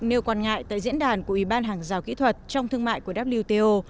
nêu quan ngại tại diễn đàn của ủy ban hàng rào kỹ thuật trong thương mại của wto